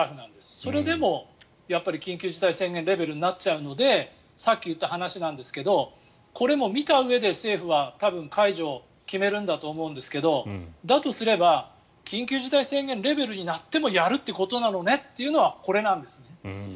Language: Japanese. それでもやっぱり緊急事態宣言レベルになっちゃうのでさっき言った話なんですがこれも見たうえで政府は多分、解除を決めるんだと思うんですがだとすれば緊急事態宣言レベルになってもやるということなのねというのはこれなんですね。